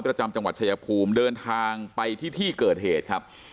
ประจำจังหวัดชายภูมิเดินทางไปที่ที่เกิดเหตุครับ